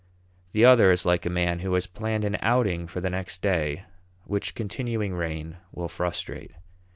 The other is like a man who has planned an outing for the next day which continuing rain will frustrate.